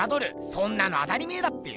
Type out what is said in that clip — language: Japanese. そんなの当たり前だっぺよ。